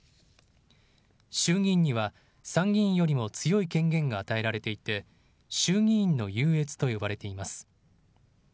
衆議院には参議院よりも強い権限が与えられていて衆議院の優越と呼ばれています。